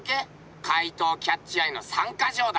怪盗キャッチュ・アイの３か条だ。